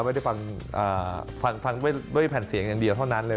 ไม่ได้ฟังด้วยแผ่นเสียงอย่างเดียวเท่านั้นเลย